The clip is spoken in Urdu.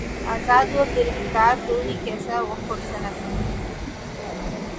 آزاد و گرفتار و تہی کیسہ و خورسند